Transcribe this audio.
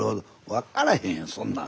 分からへんやんそんなん。